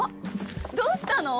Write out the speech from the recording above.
どうしたの？